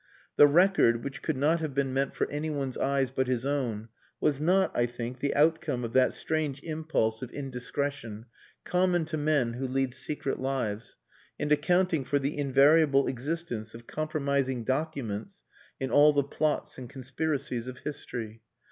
The record, which could not have been meant for anyone's eyes but his own, was not, I think, the outcome of that strange impulse of indiscretion common to men who lead secret lives, and accounting for the invariable existence of "compromising documents" in all the plots and conspiracies of history.